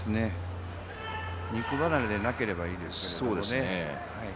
肉離れでなければいいですけどね。